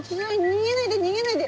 逃げないで逃げないで！